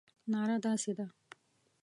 ناره داسې ده.